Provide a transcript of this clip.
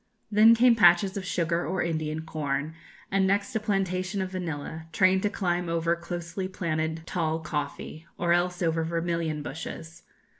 Then came patches of sugar or Indian corn, and next a plantation of vanilla, trained to climb over closely planted tall coffee, or else over vermilion bushes.